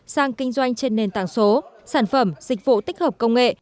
sang kinh doanh trên nền tảng số sản phẩm dịch vụ tích hợp công nghệ